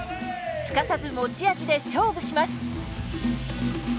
すかさず持ち味で勝負します。